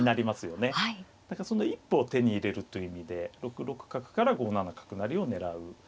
だからその一歩を手に入れるという意味で６六角から５七角成を狙う。